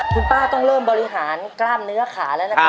คุณป้าต้องเริ่มบริหารกล้ามเนื้อขาแล้วนะครับ